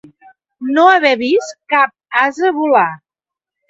No haver vist cap ase volar.